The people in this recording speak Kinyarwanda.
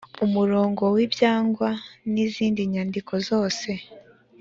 murongo w ibyigwa n izindi nyandiko zose